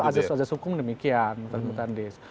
memang itu ajas ajas hukum demikian mutatis mutandis